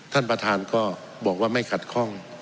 ท่านประธานก็บอกว่าไม่ขัดข้อง